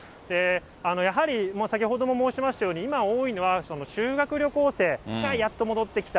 やはり先ほども申しましたように、今多いのが修学旅行生がやっと戻ってきた。